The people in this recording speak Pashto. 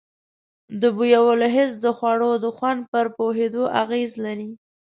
د بویولو حس د خوړو د خوند پر پوهېدو اغیز لري.